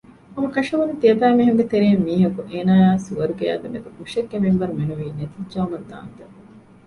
ހަމަކަށަވަރުން ތިޔަބައިމީހުންގެ ތެރެއިން މީހަކު އޭނާއާއި ސުވަރުގެއާ ދެމެދު މުށެއްގެ މިންވަރު މެނުވީ ނެތިއްޖައުމަށް ދާންދެން